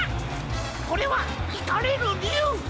これは「いかれるりゅう」！